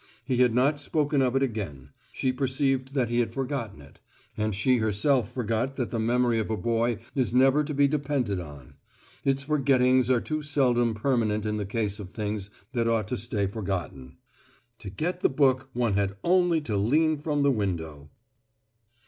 He had not spoken of it again; she perceived that he had forgotten it; and she herself forgot that the memory of a boy is never to be depended on; its forgettings are too seldom permanent in the case of things that ought to stay forgotten. To get the book one had only to lean from the window.